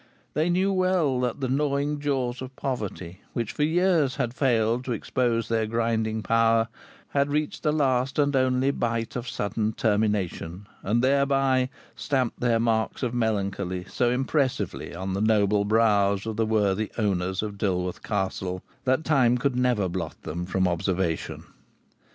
They knew well that the gnawing jaws of poverty, which for years had failed to expose their grinding power, had reached the last and only bite of sudden termination, and thereby stamped their marks of melancholy so impressively upon the noble brows of the worthy owners of Dilworth Castle, that time could never blot them from observation.